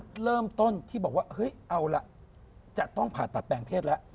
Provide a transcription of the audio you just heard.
ก็เริ่มต้นที่บอกว่าเฮ้ยเอาละจะต้องผ่าตัดแปลงเพศแล้ว